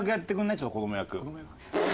ちょっと子ども役。